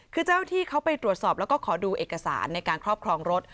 คือเจ้าที่เขาไปตรวจสอบแล้วก็ขอดูเอกสารในการครอบครองรถ